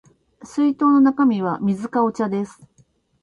水筒の中身は水かお茶です